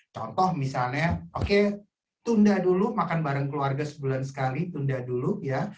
contoh misalnya oke tunda dulu makan bareng keluarga sebulan sekali tunda dulu ya